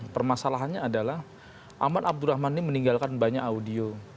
permasalahannya adalah aman abdurrahman ini meninggalkan banyak audio